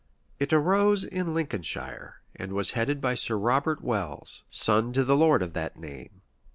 It arose in Lincolnshire, and was headed by Sir Robert Welles, son to the lord of that name.